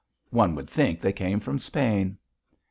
One would think they came from Spain."